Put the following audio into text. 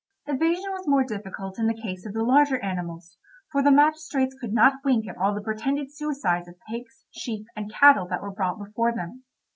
Evasion was more difficult in the case of the larger animals, for the magistrates could not wink at all the pretended suicides of pigs, sheep, and cattle that were brought before them.